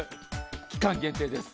期間限定です。